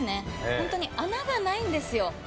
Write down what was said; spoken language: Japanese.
ホントに穴がないんですよ。